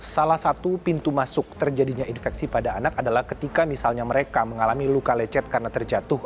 salah satu pintu masuk terjadinya infeksi pada anak adalah ketika misalnya mereka mengalami luka lecet karena terjatuh